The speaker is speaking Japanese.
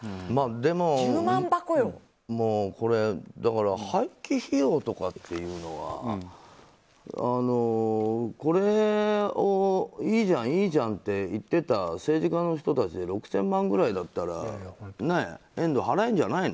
でも、だから廃棄費用とかっていうのはこれをいいじゃん、いいじゃんって言ってた政治家の人たち６０００万円くらいだったら遠藤、払えるんじゃないの？